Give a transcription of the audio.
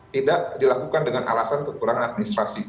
tidak dilakukan dengan alasan kekurangan administrasi